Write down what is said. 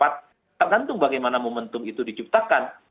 tergantung bagaimana momentum itu diciptakan